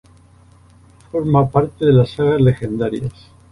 Forma parte de las sagas legendarias.